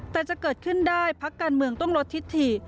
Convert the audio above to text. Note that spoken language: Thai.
แต่จะเกิดขึ้นได้พักการเมืองต้องลดทิศถิ